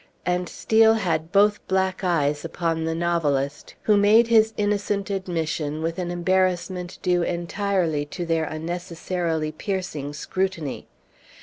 And Steel had both black eyes upon the novelist, who made his innocent admission with an embarrassment due entirely to their unnecessarily piercing scrutiny.